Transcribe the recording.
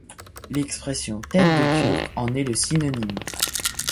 L’expression tête-de-turc en est le synonyme.